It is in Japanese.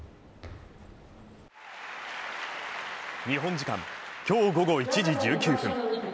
日本時間、今日午後１時１９分